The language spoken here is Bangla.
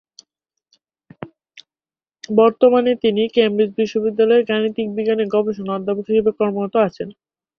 বর্তমানে তিনি কেমব্রিজ বিশ্ববিদ্যালয়ে গাণিতিক বিজ্ঞানের গবেষণা অধ্যাপক হিসেবে কর্মরত আছেন।